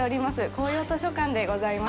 紅葉図書館でございます。